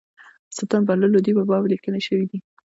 سلطان بهلول لودي په باب لیکني شوي دي.